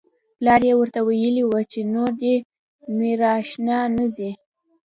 پلار يې ورته ويلي و چې نور دې ميرانشاه نه ځي.